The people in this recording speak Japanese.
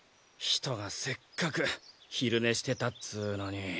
ひとがせっかくひるねしてたっつうのに。